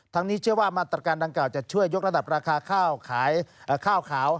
นี้เชื่อว่ามาตรการดังกล่าวจะช่วยยกระดับราคาข้าวขายข้าวขาว